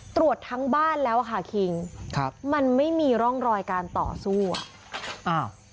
ตรวจทั้งบ้านแล้วค่ะคิงมันไม่มีร่องรอยการต่อสู้อ่ะ